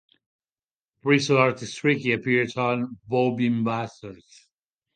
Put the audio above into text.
Bristol artist Tricky appeared on "Bombing Bastards".